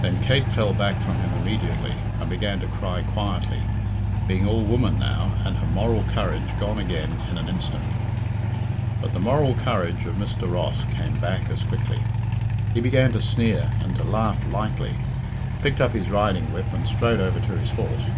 Then Kate fell back from him immediately, and began to cry quietly, being all woman now, and her moral courage gone again in an instant. But the moral courage of Mr. Ross came back as quickly. He began to sneer and to laugh lightly, picked up his riding whip and strode over to his horse.